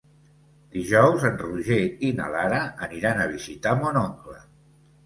Dijous en Roger i na Lara aniran a visitar mon oncle.